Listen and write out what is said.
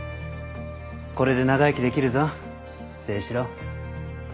これで長生きできるぞ青史郎。